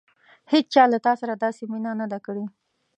هېڅچا له تا سره داسې مینه نه ده کړې.